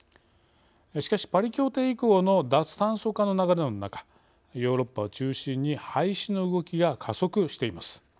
しかしパリ協定以降の脱炭素化の流れの中ヨーロッパを中心に廃止の動きが加速しています。